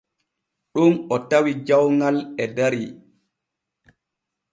Ɗon o tawi jawŋal e dari.